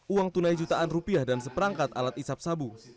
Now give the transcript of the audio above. uang tunai jutaan rupiah dan seperangkat alat isap sabu